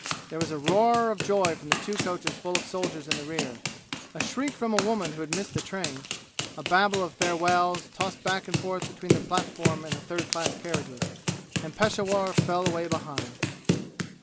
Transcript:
There was a roar of joy from the two coaches full of soldiers in the rear a shriek from a woman who had missed the train a babel of farewells tossed back and forth between the platform and the third class carriages and Peshawur fell away behind.